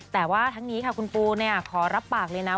แต่ว่าทั้งนี้ค่ะคุณปูขอรับปากเลยนะ